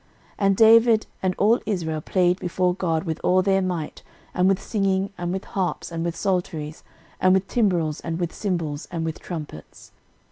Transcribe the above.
13:013:008 And David and all Israel played before God with all their might, and with singing, and with harps, and with psalteries, and with timbrels, and with cymbals, and with trumpets.